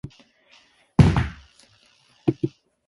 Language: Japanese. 前を詰めてきた、両襟だ。